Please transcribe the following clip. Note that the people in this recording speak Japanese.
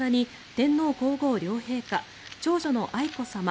天皇・皇后両陛下長女の愛子さま